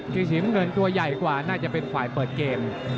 สีน้ำเงินตัวใหญ่กว่าน่าจะเป็นฝ่ายเปิดเกม